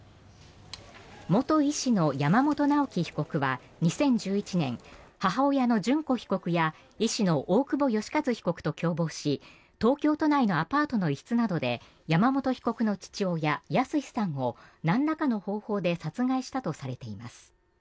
元医師の山本直樹被告は２０１１年母親の淳子被告や医師の大久保愉一被告と共謀し東京都内のアパートの一室などで山本被告の父親・靖さんをなんらかの方法で殺害したとされています。